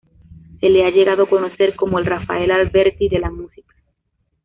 Se le ha llegado a conocer como el Rafael Alberti de la música.